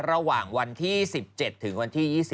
ระหว่างวันที่๑๗ถึงวันที่๒๐